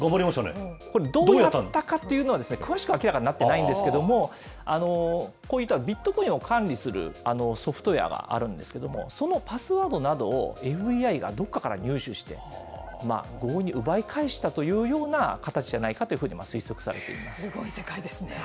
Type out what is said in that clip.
これ、どうやったかというのは、詳しくは明らかになっていないんですけれども、こういったビットコインを管理するソフトウエアがあるんですけど、そのパスワードなどを、ＦＢＩがどこかから入手して、強引に奪い返したというような形じゃないかというふうに推測されています。